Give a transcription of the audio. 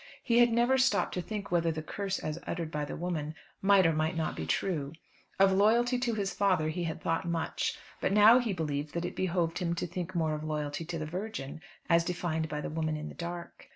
He had never stopped to think whether the curse as uttered by the woman, might or might not be true. Of loyalty to his father he had thought much; but now he believed that it behoved him to think more of loyalty to the Virgin, as defined by the woman in the dark.